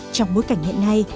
trong bối cảnh hiện nay